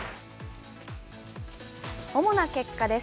主な結果です。